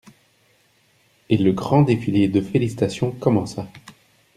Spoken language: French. Et le grand défilé de félicitations commença.